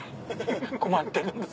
困ってるんです」